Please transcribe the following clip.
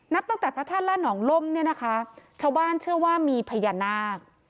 นับตั้งแต่พระธาตุล่าหนองล่มเนี่ยนะคะชาวบ้านเชื่อว่ามีพญานาค